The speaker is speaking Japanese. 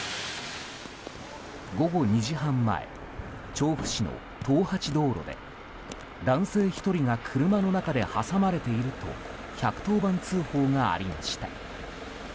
午後２時半前調布市の東八道路で男性１人が車の中で挟まれていると１１０番通報がありました。